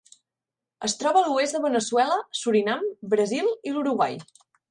Es troba a l'oest de Veneçuela, Surinam, Brasil i l'Uruguai.